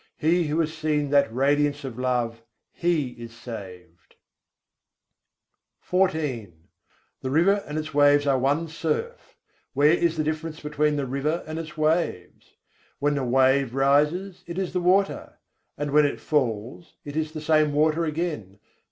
he who has seen that radiance of love, he is saved." XIV II. 56. dariyâ kî lahar dariyâo hai jî The river and its waves are one surf: where is the difference between the river and its waves? When the wave rises, it is the water; and when it falls, it is the same water again.